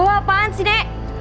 apaan sih nek